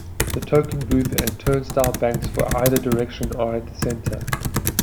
The token booth and turnstile banks for either direction are at the center.